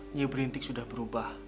nyai berintik sudah berubah